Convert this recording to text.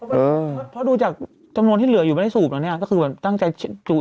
เพราะดูจากจำนวนที่เหลืออยู่ไม่ได้สูบนะเนี่ยก็คือแบบตั้งใจสูบ